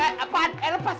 eh apaan eh lepas